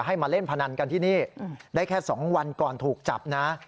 มาเล่นพนันกันที่นี่ได้แค่๒วันก่อนถูกจับนะ